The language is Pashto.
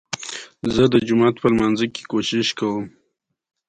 خان رسول خان کره پيدا شو ۔